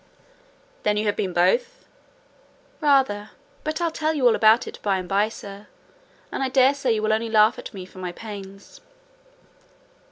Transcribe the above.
"Then you have been both?" "Rather: but I'll tell you all about it by and bye, sir; and I daresay you will only laugh at me for my pains."